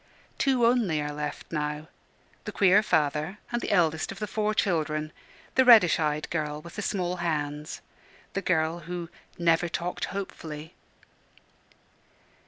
Two only are left now the queer father and the eldest of the four children, the reddish eyed girl with the small hands, the girl who "never talked hopefully."